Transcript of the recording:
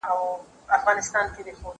دا پلان له هغه ګټور دی!.